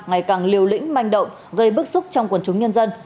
ngày càng liều lĩnh manh động gây bức xúc trong quần chúng nhân dân